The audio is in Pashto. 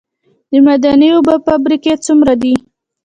د معدني اوبو فابریکې څومره دي؟